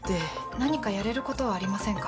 何かやれることはありませんか？